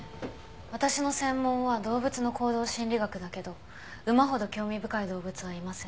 私の専門は動物の行動心理学だけど馬ほど興味深い動物はいません。